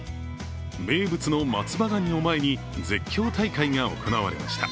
名物の松葉がにを前に絶叫大会が行われました。